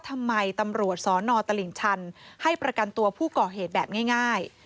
ทำไมตำรวจสนตลิ่งชันให้ประกันตัวผู้ก่อเหตุแบบง่าย